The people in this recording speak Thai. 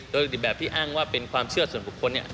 โดยแบบที่อ้างว่าเป็นความเชื่อส่วนของคนเนี่ย